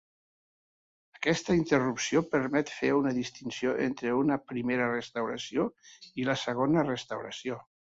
Aquesta interrupció permet fer una distinció entre una primera Restauració i la segona Restauració.